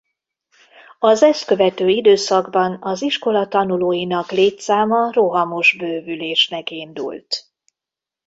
Az ezt követő időszakban az iskola tanulóinak létszáma rohamos bővülésnek indult.